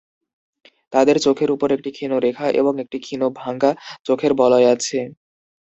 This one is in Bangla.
তাদের চোখের উপর একটি ক্ষীণ রেখা এবং একটি ক্ষীণ ভাঙ্গা চোখের বলয় আছে।